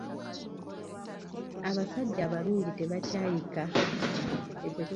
Abasajja abalungi tebakyayika.